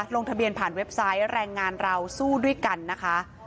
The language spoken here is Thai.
ลงทะเบียนผ่านเว็บไซต์แรงงานเราสู้ด้วยกันนะคะ